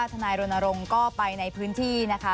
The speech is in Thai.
ทนายรณรงค์ก็ไปในพื้นที่นะคะ